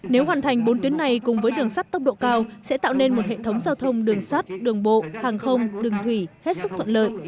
nếu hoàn thành bốn tuyến này cùng với đường sắt tốc độ cao sẽ tạo nên một hệ thống giao thông đường sắt đường bộ hàng không đường thủy hết sức thuận lợi